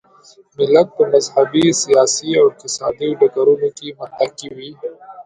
ملت په مذهبي، سیاسي او اقتصادي ډګرونو کې متکي وي.